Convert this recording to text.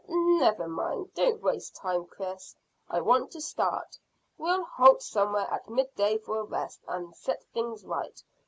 "Never mind, don't waste time, Chris. I want to start. We'll halt somewhere at mid day for a rest, and set things right.